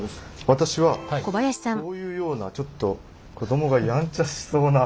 私はこういうようなちょっと子どもがやんちゃしそうな。